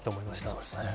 そうですね。